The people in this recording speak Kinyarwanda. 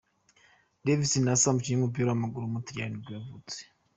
Devis Nossa, umukinnyi w’umupira w’amaguru w’umutaliyani nibwo yavutse.